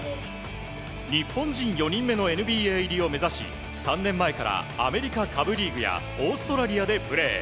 日本人４人目のＮＢＡ入りを目指し３年前からアメリカ下部リーグやオーストラリアでプレー。